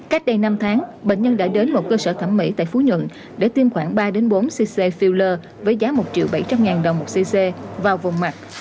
cách đây năm tháng bệnh nhân đã đến một cơ sở thẩm mỹ tại phú nhuận để tiêm khoảng ba bốn cc filler với giá một triệu bảy trăm linh ngàn đồng một cc vào vùng mặt